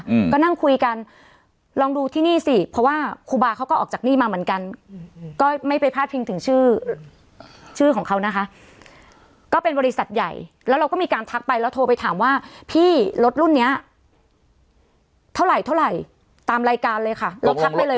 อืมก็นั่งคุยกันลองดูที่นี่สิเพราะว่าครูบาเขาก็ออกจากนี่มาเหมือนกันก็ไม่ไปพาดพิงถึงชื่อชื่อของเขานะคะก็เป็นบริษัทใหญ่แล้วเราก็มีการทักไปแล้วโทรไปถามว่าพี่รถรุ่นเนี้ยเท่าไหร่เท่าไหร่ตามรายการเลยค่ะเราทักไปเลย